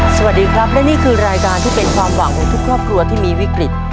สวัสดีครับและนี่คือรายการที่เป็นความหวังของทุกครอบครัวที่มีวิกฤต